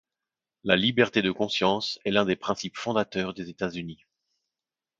La liberté de conscience est l'un des principes fondateurs des États-Unis.